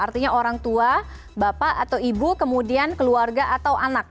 artinya orang tua bapak atau ibu kemudian keluarga atau anak